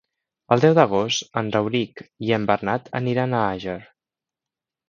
El deu d'agost en Rauric i en Bernat aniran a Àger.